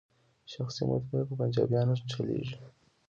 شخصي مطبعې په پنجابیانو چلیږي.